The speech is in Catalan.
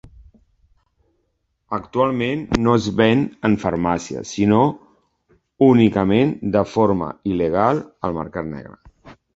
Actualment no es ven en farmàcies sinó únicament de forma il·legal al mercat negre.